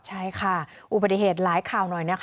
ใช่ค่ะอุบัติเหตุหลายข่าวหน่อยนะคะ